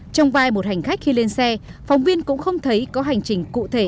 trong vai một hành khách khi lên xe phòng viên cũng không thấy có hành trình cụ thể